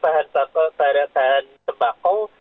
bahan bako bahan tembakau